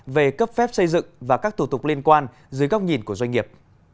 về cấp phép xây dựng và các thủ tục liên quan dưới góc nhìn của doanh nghiệp